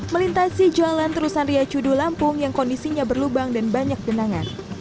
melintasi jalan terusan ria cudu lampung yang kondisinya berlubang dan banyak genangan